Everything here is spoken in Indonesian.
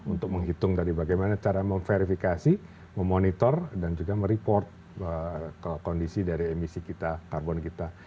untuk menghitung tadi bagaimana cara memverifikasi memonitor dan juga mereport kondisi dari emisi kita karbon kita